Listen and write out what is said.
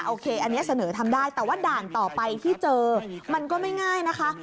โอเคอันนี้เสนอทำได้แต่ว่าด่านต่อไปที่เจอมันก็ไม่ง่ายนะคะ